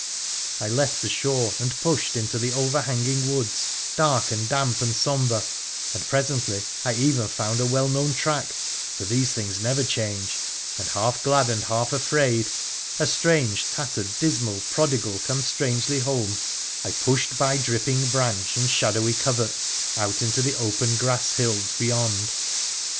I left the shore, and pushed into the overhanging woods, dark and damp and sombre, and presently I even found a well known track (for these things never change) ; and, half glad and half afraid — a strange, tattered, dismal prodigal come strangely home — I pushed by dripping branch and shadowy coverts, out into the open grass hills beyond.